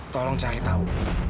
tolong cari tau